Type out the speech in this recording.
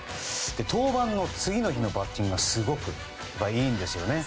登板の次の日のバッティングがすごく調子がいいんですよね。